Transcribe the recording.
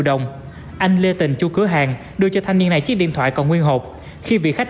đồng anh lê tình chú cửa hàng đưa cho thanh niên này chiếc điện thoại còn nguyên hộp khi vị khách